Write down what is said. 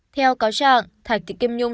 theo cáo trạng thạch thị kim nhung